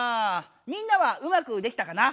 みんなはうまくできたかな？